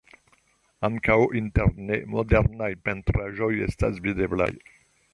Ankaŭ interne modernaj pentraĵoj estas videblaj.